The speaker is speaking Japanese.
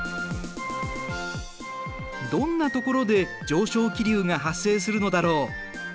どんなところで上昇気流が発生するのだろう。